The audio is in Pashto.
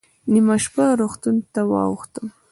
نیمه شپه روغتون ته واوښتم.